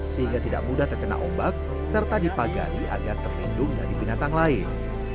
sehingga tidak mudah terkena ombak serta dipagari agar terlindung dari binatang lain